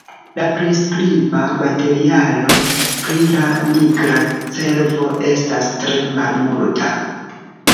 La priskriba materialo pri la nigra cervo estas tre malmulta.